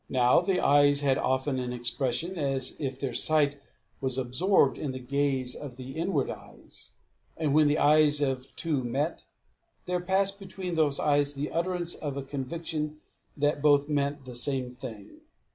Now the eyes had often an expression as if their sight was absorbed in the gaze of the inward eyes; and when the eyes of two met, there passed between those eyes the utterance of a conviction that both meant the same thing.